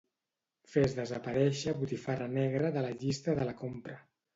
Fes desaparèixer botifarra negra de la llista de la compra.